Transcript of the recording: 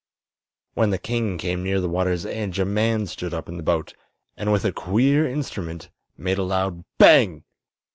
When the king came near the water's edge a man stood up in the boat and with a queer instrument made a loud "bang!"